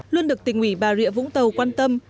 luôn được tỉnh ủy bà rịa vũng tàu quan tâm